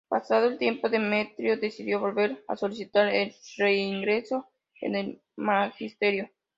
Pasado el tiempo, Demetrio decidió volver y solicitar el reingreso en el magisterio.